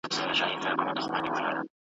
چي نه سیوری د رقیب وي نه اغیار په سترګو وینم`